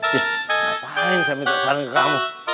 ngapain saya minta saran ke kamu